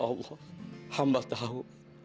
ya allah hamba tahu